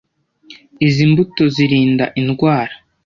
Izi mbuto zirinda indwara,